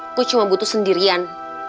aku cuma butuh sendirian